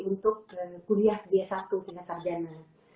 untuk kuliah b satu tingkat sarjana